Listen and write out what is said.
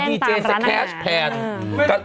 ถึงว่าที่แรงตามร้านอาหารอ๋อดีเจสแคชแพน